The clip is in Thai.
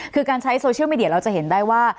คือการใช้โซเชียลมีเดียเราจะเห็นได้ว่า